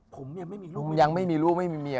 ผมเนี่ยไม่มีรูปไม่มีเมีย